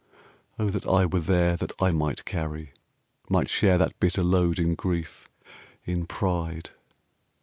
O that I were there that I might carry, Might share that bitter load in grief, in pride!...